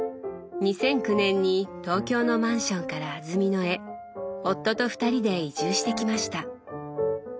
２００９年に東京のマンションから安曇野へ夫と二人で移住してきました。